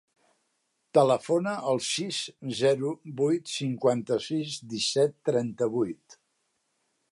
Telefona al sis, zero, vuit, cinquanta-sis, disset, trenta-vuit.